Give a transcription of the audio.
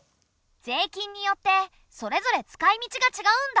税金によってそれぞれ使いみちがちがうんだ。